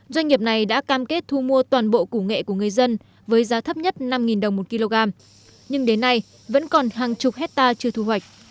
doanh nghiệp này đã cam kết thu mua toàn bộ củ nghệ của người dân với giá thấp nhất năm đồng một kg nhưng đến nay vẫn còn hàng chục hectare chưa thu hoạch